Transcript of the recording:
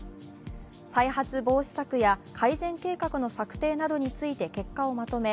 再発防止策や改善計画の策定などについて結果をまとめ